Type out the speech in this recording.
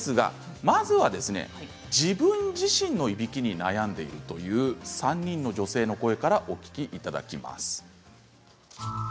まずは自分自身のいびきに悩んでいるという３人の女性の声からお聞きいただきます。